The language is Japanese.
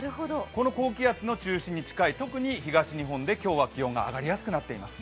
この高気圧の中心に近い特に東日本で今日は気温が上がりやすくなっています。